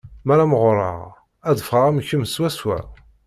Mi ara mɣareɣ, ad d-ffɣeɣ am kemm swaswa.